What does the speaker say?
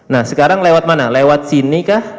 nah sekarang lewat mana lewat sini kah